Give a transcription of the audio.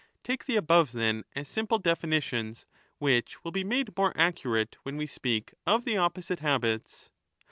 Take the above, then, as simple definitions, which will be made more accurate when we speak of the opposite habits.